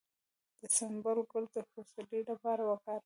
د سنبل ګل د پسرلي لپاره وکاروئ